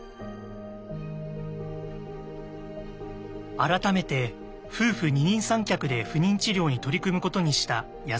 改めて夫婦二人三脚で不妊治療に取り組むことにした矢沢さんたち。